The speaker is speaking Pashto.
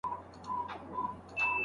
پردی کسب